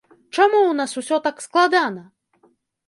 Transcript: Чаму ў нас усё так складана?